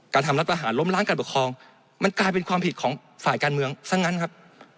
ทำรัฐประหารล้มล้างการปกครองมันกลายเป็นความผิดของฝ่ายการเมืองซะงั้นครับ